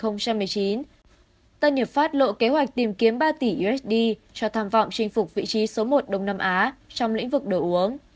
năm hai nghìn một mươi chín tân hiệp pháp lộ kế hoạch tìm kiếm ba tỷ usd cho tham vọng chinh phục vị trí số một đông nam á trong lĩnh vực đồ uống